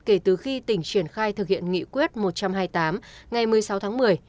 kể từ khi tỉnh triển khai thực hiện nghị quyết một trăm hai mươi tám ngày một mươi sáu tháng một mươi